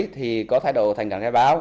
thì có thái độ thành khẩn khai báo